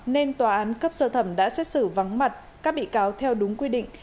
nên tòa án cấp sơ thẩm đã xét xử vắng mặt các bị cáo theo đúng quy định